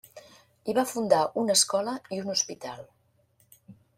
Hi va fundar una escola i un hospital.